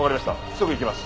すぐ行きます。